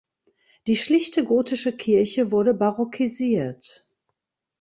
Die schlichte gotische Kirche wurde barockisiert.